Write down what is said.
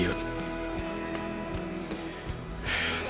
kau buat hatiku cek